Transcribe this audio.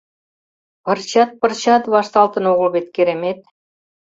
Пырчат-пырчат вашталтын огыл вет, керемет...